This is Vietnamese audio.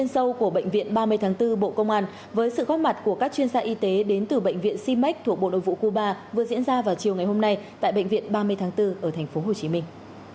bộ bệnh viện ba mươi tháng bốn bộ công an với sự góp mặt của các chuyên gia y tế đến từ bệnh viện cimex thuộc bộ nội vụ cuba vừa diễn ra vào chiều ngày hôm nay tại bệnh viện ba mươi tháng bốn ở thành phố hồ chí minh